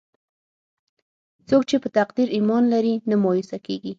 څوک چې په تقدیر ایمان لري، نه مایوسه کېږي.